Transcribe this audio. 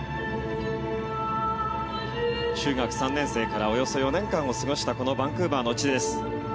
中学３年生からおよそ４年間を過ごしたこのバンクーバーの地です。